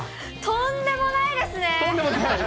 とんでもないですね。